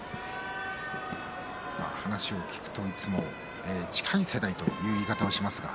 話を聞くと近い世代という言い方をします。